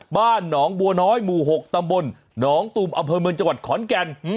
บ้านหนองบัวน้อยหมู่๖ตำบลหนองตุ่มอำเภอเมืองจังหวัดขอนแก่น